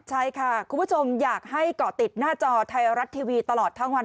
ใช่ค่ะคุณผู้ชมอยากให้เกาะติดหน้าจอไทยรัฐทีวีตลอดทั้งวัน